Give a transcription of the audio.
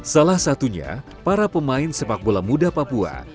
salah satunya para pemain sepak bola muda papua